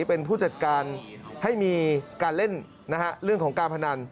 เป็นผู้จัดการให้มีการเล่นเรื่องของการพนัน